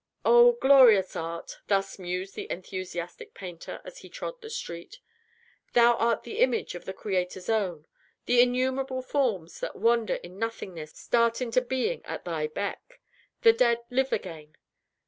"Oh, glorious Art!" thus mused the enthusiastic painter, as he trod the street. "Thou art the image of the Creator's own. The innumerable forms that wander in nothingness start into being at thy beck. The dead live again.